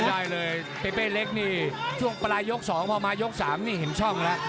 ได้เลยเปเป้เล็กนี่ช่วงปลายยก๒พอมายก๓นี่เห็นช่องแล้ว